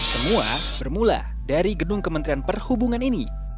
semua bermula dari gedung kementerian perhubungan ini